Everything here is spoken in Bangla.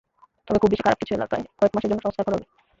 তবে খুব বেশি খারাপ কিছু এলাকায় কয়েক মাসের মধ্যে সংস্কার করা হবে।